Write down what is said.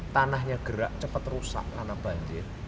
tanahnya gerak cepat rusak karena banjir